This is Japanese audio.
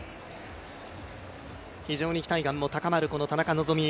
非常に期待感も高まるこの田中希実。